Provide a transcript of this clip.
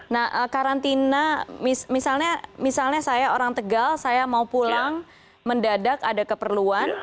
nah karantina misalnya saya orang tegal saya mau pulang mendadak ada keperluan